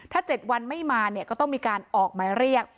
ถ้า๗วันไม่มาเนี่ยก็ต้องมีการออกหมายเรียก